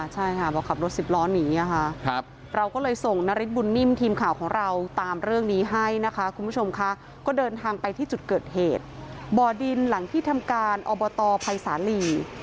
ใช่ค่ะบอกขับรถสิบล้อหนีค่ะเราก็เลยส่งนฤทธบุญนิ่มทีมข่าวของเราตามเรื่องนี้ให้นะคะคุณผู้ชมค่ะก็เดินทางไปที่จุดเกิดเหตุบ่อดินหลังที่ทำการอบตภัยสาลี